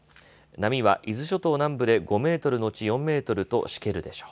波は伊豆諸島南部で５メートル後４メートルとしけるでしょう。